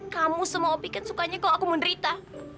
kamu semua opiken sukanya kalau aku menderita